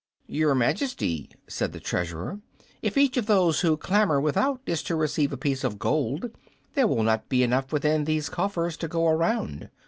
"Your Majesty," said the Treasurer, "if each of those who clamor without is to receive a piece of gold, there will not be enough within these coffers to go around.